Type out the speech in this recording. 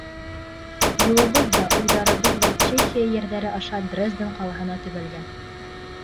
Юлыбыҙ ҙа, уйҙарыбыҙ ҙа Чехия ерҙәре аша Дрезден ҡалаһына төбәлгән.